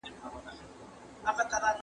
¬ چي ته ئې يووړې، گوا زه ئې يووړم.